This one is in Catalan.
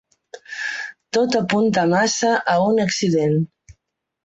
Tot apunta massa a un accident.